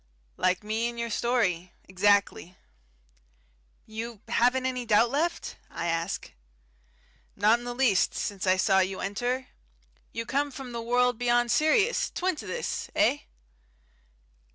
"Like me and your story exactly." "You haven't any doubt left?" I ask. "Not in the least, since I saw you enter. You come from the world beyond Sirius, twin to this. Eh?"